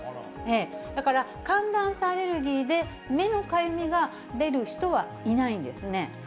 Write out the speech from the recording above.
だから、寒暖差アレルギーで、目のかゆみが出る人はいないんですね。